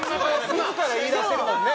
自ら言いだしてるもんね。